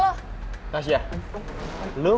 masya lo gak usah ngalin perut